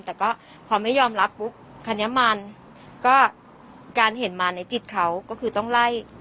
แต่ก็พอไม่ยอมรับปุ๊บคราวนี้มันก็การเห็นมาในจิตเขาก็คือต้องไล่